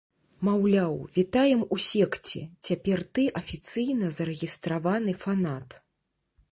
Маўляў, вітаем у секце, цяпер ты афіцыйна зарэгістраваны фанат.